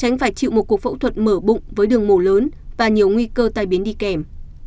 tránh phải chịu một cuộc phẫu thuật mở bụng với đường mồ lớn và nhiều nguy cơ tai biến đi kèm